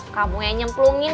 kamu yang nyemplungin